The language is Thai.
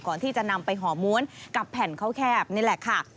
ก่อนที่จะนำไปห่อม้วนกับแผ่นข้าวแคบนี่แหละค่ะ